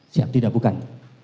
siap tidak bukan